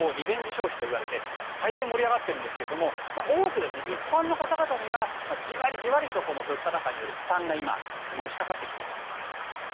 消費といわれて大変盛り上がっているんですが一般の方にはじわりじわりと、物価高による負担がのしかかってきています。